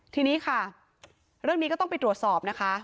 ทีนี้ค่ะเรื่องนี้ก็ต้องไปตรวจสอบนะคะ